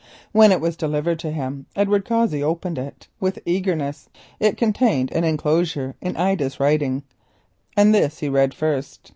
When it was delivered to him Edward Cossey opened it with eagerness. It contained an inclosure in Ida's writing, and this he read first.